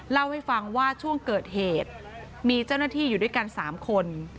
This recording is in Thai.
เล่าให้ฟังว่าช่วงเกิดเหตุมีเจ้าหน้าที่อยู่ด้วยกัน๓คน